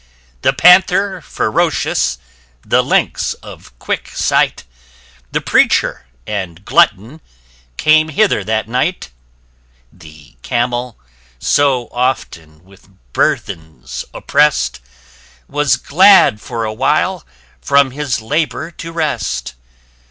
The Panther ferocious the Lynx of quick sight, The Preacher and Glutton came hither that night. The Camel, so often with burthens opprest, Was glad for a while from his labour to rest.